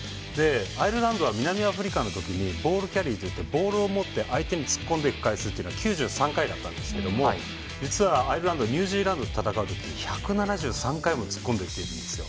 アイルランドは南アフリカの時にボールキャリーといってボールを持って相手に突っ込んでいく回数が９３回だったんですけれども実は、アイルランドはニュージーランドと戦う時は１７３回も突っ込んでいってるんです。